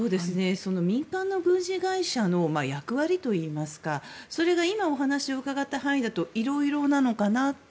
民間の軍事会社の役割といいますかそれが今お話を伺った範囲だといろいろなのかなと。